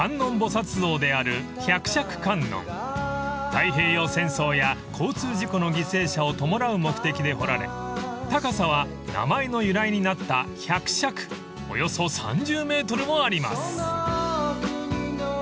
［太平洋戦争や交通事故の犠牲者を弔う目的で彫られ高さは名前の由来になった百尺およそ３０ｍもあります］